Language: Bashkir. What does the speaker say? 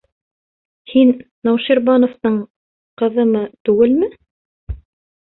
Һин Науширбановтың ҡыҙымы, түгелме?